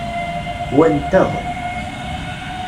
Wa nteɣ.